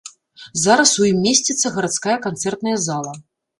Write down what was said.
Зараз у ім месціцца гарадская канцэртная зала.